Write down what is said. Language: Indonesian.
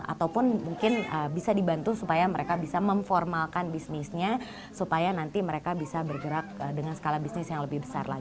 ataupun mungkin bisa dibantu supaya mereka bisa memformalkan bisnisnya supaya nanti mereka bisa bergerak dengan skala bisnis yang lebih besar lagi